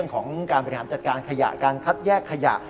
ของการบริหารจัดการขยะการคัดแยกขยะ